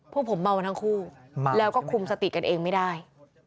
พวกผมเมามาทั้งคู่แล้วก็คุมสติกันเองไม่ได้